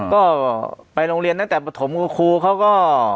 ก็ไปโรงเรียนตั้งแต่ปฐมกับครูเขาก็